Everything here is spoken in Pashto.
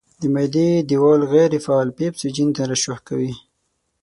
د معدې دېوال غیر فعال پیپسوجین ترشح کوي.